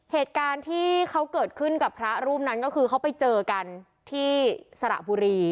เหตุการณ์ที่เขาเกิดขึ้นกับพระรูปนั้นก็คือเขาไปเจอกันที่สระบุรี